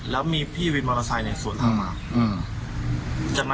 แล้วมีพี่วินมอเตอร์ไซค์เนี่ยสวนทางมา